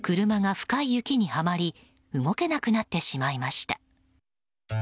車が深い雪にはまり動けなくなってしまいました。